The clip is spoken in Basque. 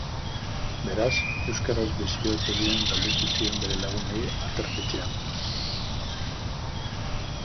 Beraz, euskaraz bizi ote diren galdetu zien bere lagunei aterpetxean.